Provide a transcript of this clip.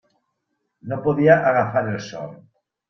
No podia agafar el son.